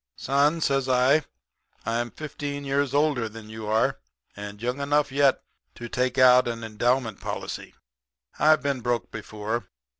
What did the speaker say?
"'Son,' says I, 'I'm fifteen years older than you are, and young enough yet to take out an endowment policy. I've been broke before.